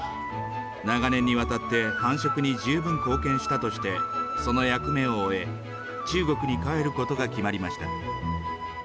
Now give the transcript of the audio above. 長年にわたって繁殖に十分貢献したとして、その役目を終え、中国に帰ることが決まりました。